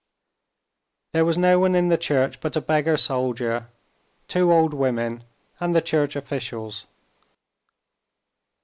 There was no one in the church but a beggar soldier, two old women, and the church officials.